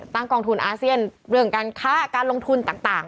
กองทุนอาเซียนเรื่องการค้าการลงทุนต่าง